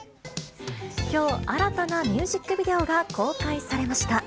きょう新たなミュージックビデオが公開されました。